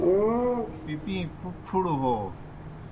پِپِیں پُھڑوْ ہو/ہے